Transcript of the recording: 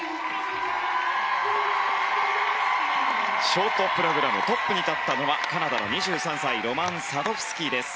ショートプログラムトップに立ったのはカナダの２３歳ロマン・サドフスキーです。